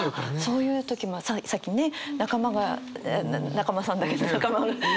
そういう時もさっきね仲間が中間さんだけど仲間がいたらね。